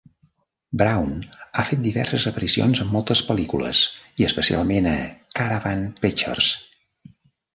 Brown ha fet diverses aparicions en moltes pel·lícules i especialment a Caravan Pictures.